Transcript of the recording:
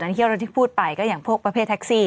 ที่เราที่พูดไปก็อย่างพวกประเภทแท็กซี่